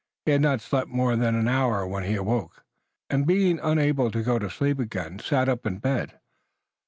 He had not slept more than an hour when he awoke, and, being unable to go to sleep again, sat up in bed.